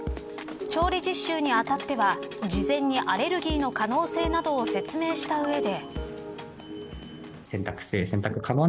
調理実習にあたっては事前にアレルギーの可能性などを説明した上で。